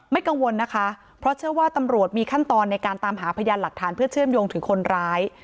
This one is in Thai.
กังวลนะคะเพราะเชื่อว่าตำรวจมีขั้นตอนในการตามหาพยานหลักฐานเพื่อเชื่อมโยงถึงคนร้าย